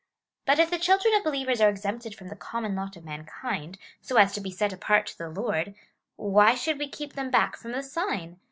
But if the children of be lievers are exempted from the common lot of mankind, so as to be set apart to the Lord, why should we keep them back from the sign